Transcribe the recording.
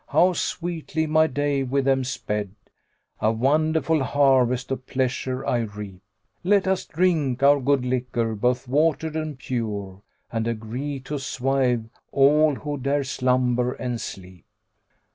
How sweetly my day with them sped; * A wonderful harvest of pleasure I reap: Let us drink our good liquor both watered and pure, * And agree to swive all who dare slumber and sleep."